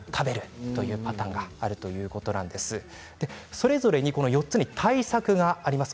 それぞれに４つの対策があります。